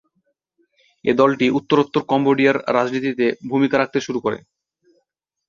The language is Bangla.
এ দলটি উত্তরোত্তর কম্বোডিয়ার রাজনীতিতে ভূমিকা রাখতে শুরু করে।